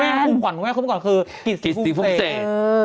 ไม่ไม่คู่ขวัญไงคู่ขวัญคือกิศดิฟุส์เศษ